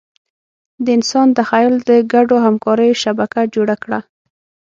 د انسان تخیل د ګډو همکاریو شبکه جوړه کړه.